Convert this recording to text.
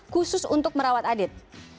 khusus untuk merawat adit